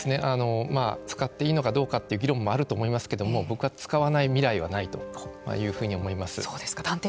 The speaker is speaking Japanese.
使っていいのかどうかという議論もあると思いますけど僕は使わない未来はないというふうに思います。